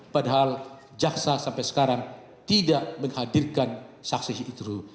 padahal jaksa sampai sekarang tidak menghadirkan saksi itu